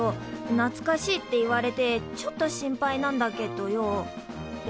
なつかしいって言われてちょっと心配なんだけっどよお。